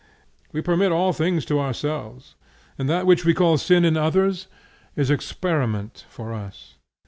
We permit all things to ourselves, and that which we call sin in others is experiment for us.